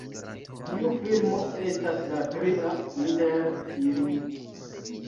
Tiu filmo estas la tria inter ili.